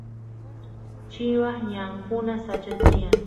chivas ñankuna sacha tiyan